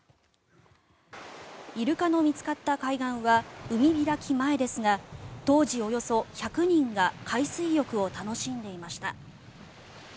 イルカの見つかった海岸は海開き前ですが当時、およそ１００人が海水浴を楽しんでいました。